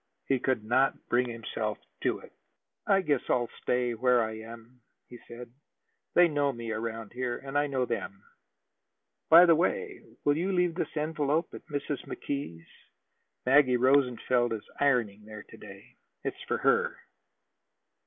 He could not bring himself to it. "I guess I'll stay where I am," he said. "They know me around here, and I know them. By the way, will you leave this envelope at Mrs. McKee's? Maggie Rosenfeld is ironing there to day. It's for her."